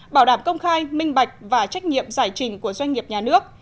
bảo đảm công khai minh bạch và trách nhiệm giải trình của doanh nghiệp nhà nước